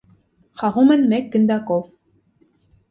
Խաղում են մեկ գնդակով։